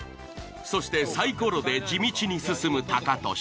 そしてサイコロで地道に進むタカトシ。